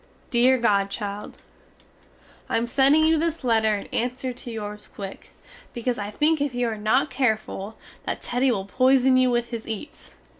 Deer godchild, I am sending you this letter in anser to yours quick, becaus I think if you are not careful that Teddy will poison you with his eats.